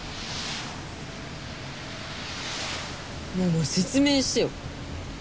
ママ説明してよ。